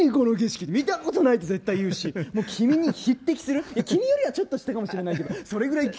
見たことない！って絶対に言うし君に匹敵する、いや、君よりはちょっと下かもしれないけど。